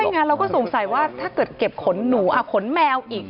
ไม่ใช่งั้นเราก็สงสัยว่าถ้าเก็บขนหนูขนแมวอีก